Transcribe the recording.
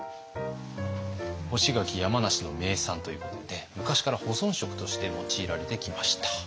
干し柿山梨の名産ということで昔から保存食として用いられてきました。